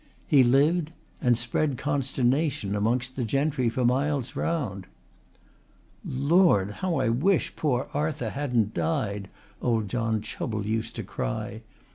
He lived and spread consternation amongst the gentry for miles round. "Lord, how I wish poor Arthur hadn't died!" old John Chubble used to cry.